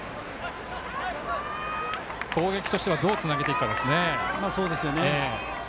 攻撃としてはどうつなげていくかですね。